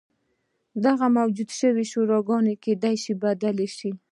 دغه موجوده شورا کېدای شي بدله شي.